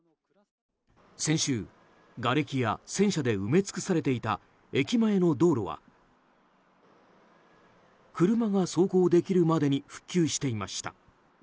先週、がれきや戦車で埋め尽くされていた駅前の道路は車が走行できるまでに復旧していました。